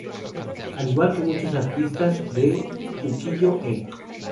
Al igual que muchos artistas de ukiyo-e.